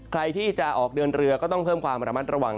ใครที่จะออกเดินเรือก็ต้องเพิ่มความระมัดระวัง